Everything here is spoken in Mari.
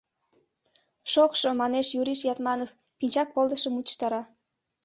— Шокшо! — манеш Юриш Ятманов, пинчак полдышым мучыштара.